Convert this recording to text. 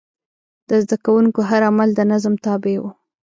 د زده کوونکو هر عمل د نظم تابع و.